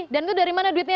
dan itu dari mana duitnya